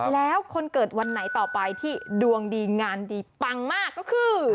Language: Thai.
แล้วคนเกิดวันไหนต่อไปที่ดวงดีงานดีปังมากก็คือ